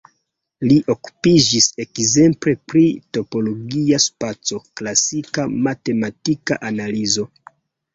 Li okupiĝis ekzemple pri topologia spaco, klasika matematika analizo.